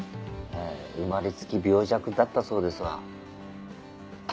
ええ生まれつき病弱だったそうですわ。